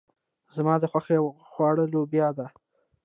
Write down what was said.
زما د خوښې خواړه لوبيا ده.